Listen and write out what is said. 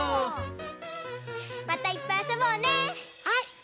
はい。